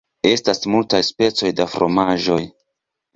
Estas multaj specoj de fromaĝoj.